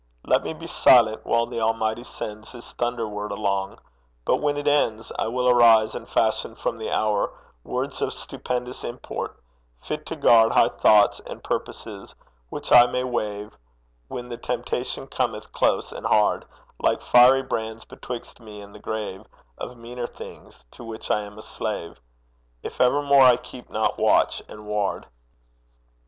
Let me be silent while the Almighty sends His thunder word along; but when it ends I will arise and fashion from the hour Words of stupendous import, fit to guard High thoughts and purposes, which I may wave, When the temptation cometh close and hard, Like fiery brands betwixt me and the grave Of meaner things to which I am a slave If evermore I keep not watch and ward.